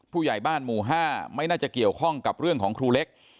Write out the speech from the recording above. ผู้ใหญ่บ้านหมู่๕ไม่น่าจะเกี่ยวข้องกับเรื่องของครูเล็ก